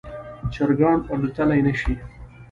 چرګان الوتلی نشي